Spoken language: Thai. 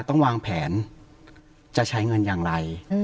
ต้องวางแผนจะใช้เงินอย่างไร